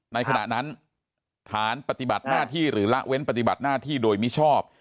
ในขณะนั้นฐานปฏิบัติหน้าที่หรือละเว้นปฏิบัติหน้าที่โดยมิชอบ